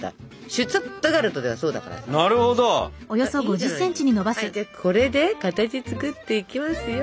じゃあこれで形作っていきますよ。